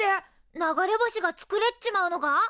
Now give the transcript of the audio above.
流れ星が作れっちまうのか！？